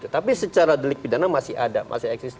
tapi secara delik pidana masih ada